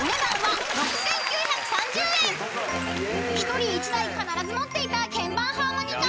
［１人１台必ず持っていた鍵盤ハーモニカ］